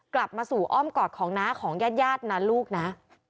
กลับมาสู่อ้อมกอดของน้าของญาตินะลูกนะ